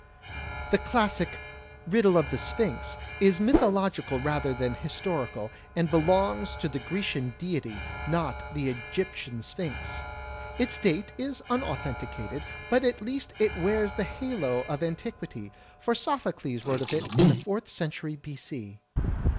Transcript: The classic "Riddle of the Sphinx" is mythological rather than historical, and belongs to the Grecian deity, not the Egyptian Sphinx. Its date is imauthenticated, but at least it wears the halo of antiquity, for Sophocles wrote of it in the Fourth Century b. c.